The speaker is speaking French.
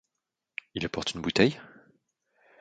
Il apporte une bouteille ?